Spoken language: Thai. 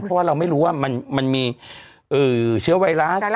เพราะว่าเราไม่รู้ว่ามันมีเชื้อไวรัส